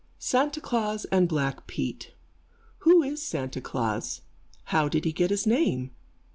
SANTA KLAAS AND BLACK PETE Who is Santa Klaas? How did he get his name?